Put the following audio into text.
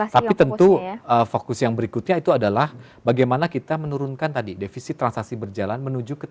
tapi tentu fokus yang berikutnya itu adalah bagaimana kita menurunkan tadi defisit transaksi berjalan menuju ke